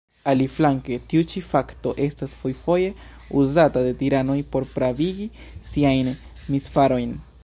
Aliflanke tiu ĉi fakto estas fojfoje uzata de tiranoj por pravigi siajn misfarojn.